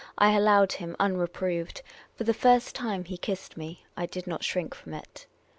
I allowed him, unreproved. For the first time he kissed me. I did not shrink from it.